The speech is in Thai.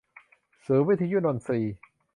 ศูนย์วิทยุนนทรี